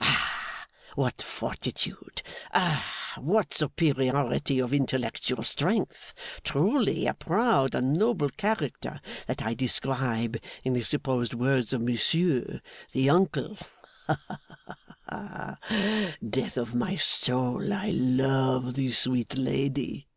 Ah! what fortitude! Ah, what superiority of intellectual strength! Truly, a proud and noble character that I describe in the supposed words of Monsieur, the uncle. Ha, ha, ha! Death of my soul, I love the sweet lady!